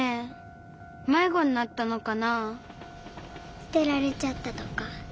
すてられちゃったとか。